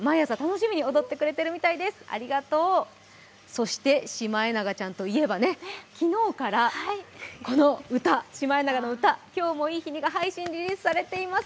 そして、シマエナガちゃんといえば昨日から、この歌、「シマエナガの歌今日もいい日に」が配信されています。